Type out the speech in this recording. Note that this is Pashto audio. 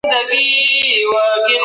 رییس د هغې لپاره لاره هواره کړې وه.